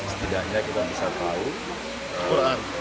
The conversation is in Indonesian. setidaknya kita bisa tahu bagaimana sejarah penyebaran agama islam disini